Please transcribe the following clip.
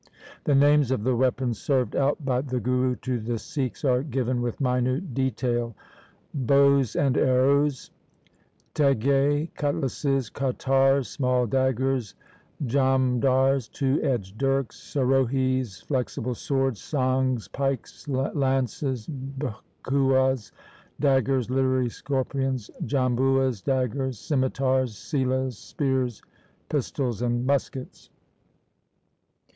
The names of the weapons served out by the Guru to the Sikhs are given with minute detail : bows and arrows, teghe (cutlasses), katars (small daggers), jamdhars (two edged dirks), sarohis (flexible swords), sangs (pikes), lances, bichhuas (daggers, literally scorpions), jambuas (daggers), scimitars, selas (spears), pistols, and muskets.